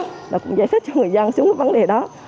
mình cũng phải giải thích cho người dân xuống vấn đề đó